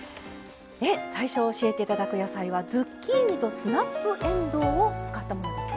最初教えて頂く野菜はズッキーニとスナップえんどうを使ったものですね。